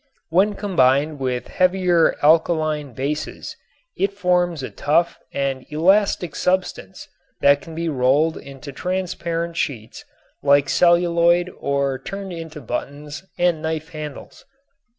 When combined with heavier alkaline bases it forms a tough and elastic substance that can be rolled into transparent sheets like celluloid or turned into buttons and knife handles.